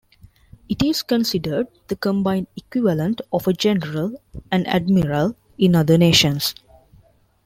It is considered the combined equivalent of a general and admiral in other nations.